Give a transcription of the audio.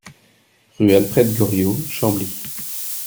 Rue Alfred Goriot, Chambly